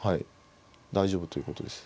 大丈夫ということです。